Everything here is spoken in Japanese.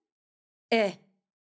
ええ。